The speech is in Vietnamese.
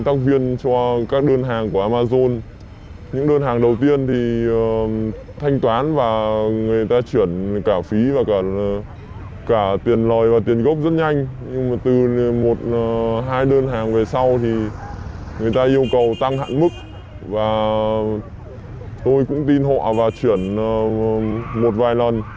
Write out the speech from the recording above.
từ một hai đơn hàng về sau thì người ta yêu cầu tăng hẳn mức và tôi cũng tin họ và chuyển một vài lần